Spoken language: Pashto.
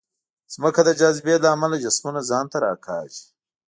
ځمکه د جاذبې له امله جسمونه ځان ته راکاږي.